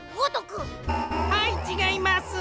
はいちがいます！